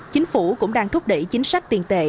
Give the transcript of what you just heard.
chính phủ cũng đang thúc đẩy chính sách tiền tệ